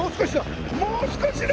もう少しだ！